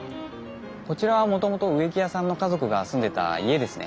こちらはもともと植木屋さんの家族が住んでた家ですね。